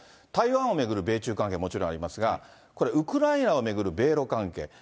台湾を巡る米中関係、もちろんありますが、これ、ウクライナを巡る米ロ関係。